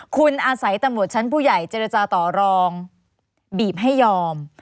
คุณอาศัยตำรวจชั้นผู้ใหญ่เจรจาต่อรองบีบให้ยอม